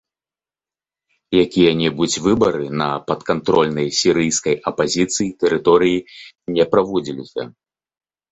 Якія-небудзь выбары на падкантрольнай сірыйскай апазіцыі тэрыторыі не праводзіліся.